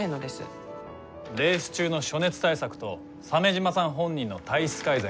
レース中の暑熱対策と鮫島さん本人の体質改善